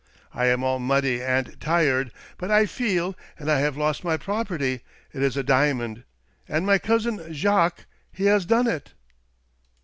I am all muddy and tired, but I feel — and I have lost my property — it is a diamond — and my cousin Jacques, he has done it!"